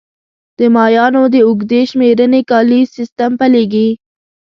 د مایانو د اوږدې شمېرنې کالیز سیستم پیلېږي